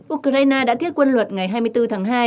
ukraine đã thiết quân luật ngày hai mươi bốn tháng hai